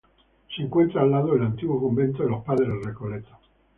Se encuentra al lado del antiguo convento de los padres recoletos.